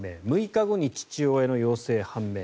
６日後に父親の陽性が判明